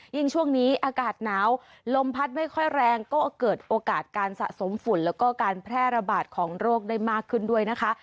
ช่วงนี้อากาศหนาวลมพัดไม่ค่อยแรงก็เกิดโอกาสการสะสมฝุ่นแล้วก็การแพร่ระบาดของโรคได้มากขึ้นด้วยนะคะ